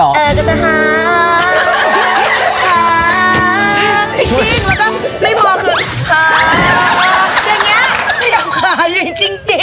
หาหาจริงแล้วก็ไม่พอคือฮ่าอย่างนี้ไม่ยากกลายจริง